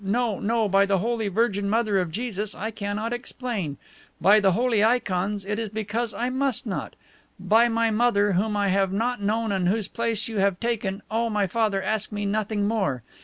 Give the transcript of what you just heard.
No, no, by the Holy Virgin Mother of Jesus I cannot explain. By the holy ikons, it is because I must not. By my mother, whom I have not known and whose place you have taken, oh, my father, ask me nothing more!